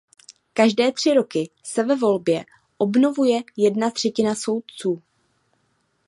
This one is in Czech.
Každé tři roky se ve volbě obnovuje jedna třetina soudců.